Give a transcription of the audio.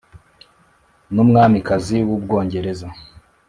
N’umwamikazi w’ubwongereza.